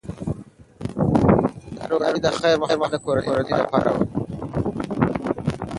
دا ډوډۍ د خیر محمد د کورنۍ لپاره وه.